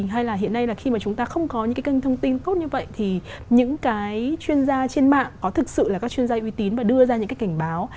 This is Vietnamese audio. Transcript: hay là hiện nay là khi mà chúng ta không có những cái kênh thông tin tốt như vậy thì những cái chuyên gia trên mạng có thực sự là các chuyên gia uy tín và đưa ra những cái cảnh báo